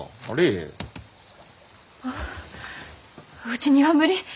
うちには無理。